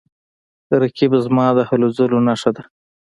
رقیب زما د هلو ځلو نښه ده